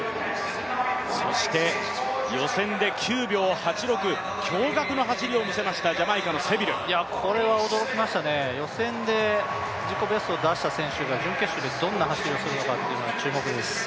そして予選で９秒８６、驚がくの走りを見せましたこれは驚きましたね、予選で自己ベストを出した選手が準決勝でどんな走りをするのかというのは注目です。